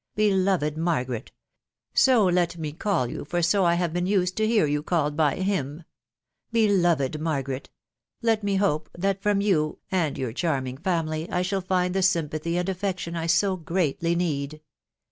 Beloved Margaret !.... So let me call you, for so have I been used to hear you called by hoc !.... Beloved Margaret! Let me hope that from you, and your charming family, I shall find the sympathy and affection I so greatly need.